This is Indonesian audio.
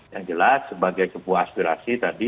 yang jelas sebagai sebuah aspirasi tadi